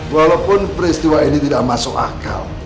walaupun peristiwa ini tidak masuk akal